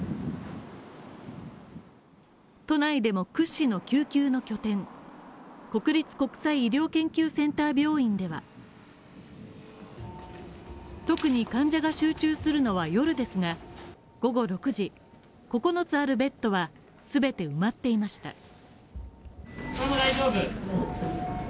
都内でも、屈指の救急の拠点、国立国際医療研究センター病院では特に患者が集中するのは夜ですが午後６時、９つあるベッドは全て埋まっていました。